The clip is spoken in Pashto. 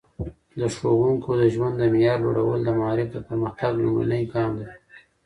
د ښوونکو د ژوند د معیار لوړول د معارف د پرمختګ لومړنی ګام دی.